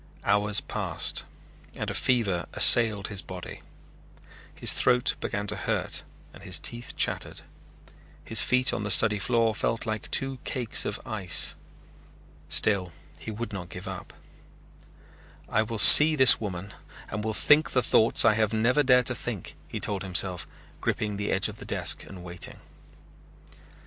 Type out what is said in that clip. Hours passed and a fever assailed his body. His throat began to hurt and his teeth chattered. His feet on the study floor felt like two cakes of ice. Still he would not give up. "I will see this woman and will think the thoughts I have never dared to think," he told himself, gripping the edge of the desk and waiting.